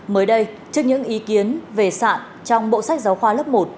mới đây trước những ý kiến về sản trong bộ sách giáo khoa lớp một